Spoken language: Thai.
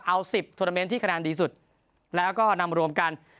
เอา๑๐โทรเมนต์ที่คะแนนดีสุดแล้วก็นำรวมกัน